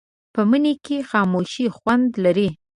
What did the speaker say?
په مني کې خاموشي خوند لري